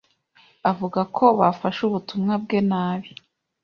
avuga ko bafashe ubutumwa bwe nabi